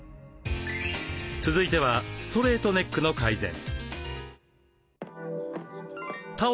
続いてはストレートネックの改善。